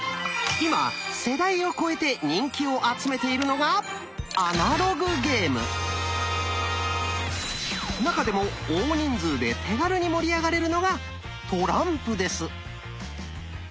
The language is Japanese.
今世代を超えて人気を集めているのが中でも大人数で手軽に盛り上がれるのがトランプです。